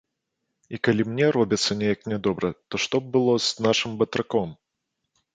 І калі мне робіцца неяк нядобра, то што б было з нашым батраком?